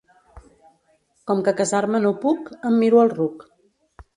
Com que casar-me no puc, em miro el ruc.